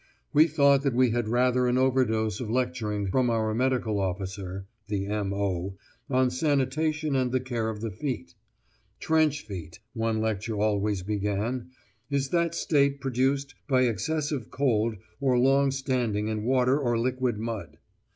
We thought that we had rather an overdose of lecturing from our medical officer (the M.O.) on sanitation and the care of the feet. "Trench feet," one lecture always began, "is that state produced by excessive cold or long standing in water or liquid mud."